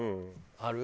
ある？